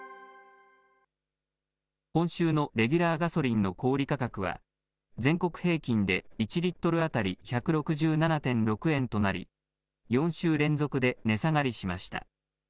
今週のレギュラーガソリンの小売り価格は、全国平均で１リットル当たり１６７．６円となり、４週連続で値下がりしました。